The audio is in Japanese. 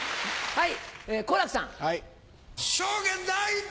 はい。